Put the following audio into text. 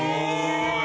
すごい！